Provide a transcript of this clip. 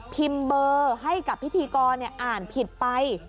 เบอร์ให้กับพิธีกรอ่านผิดไป